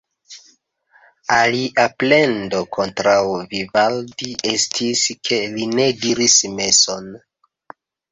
Alia plendo kontraŭ Vivaldi estis, ke li ne diris meson.